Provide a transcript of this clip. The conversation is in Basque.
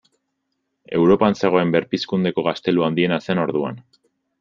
Europan zegoen berpizkundeko gaztelu handiena zen orduan.